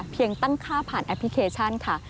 ตั้งค่าผ่านแอปพลิเคชันค่ะ